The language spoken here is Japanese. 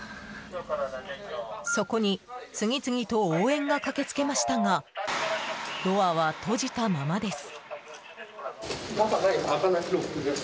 そこに次々と応援が駆けつけましたがドアは閉じたままです。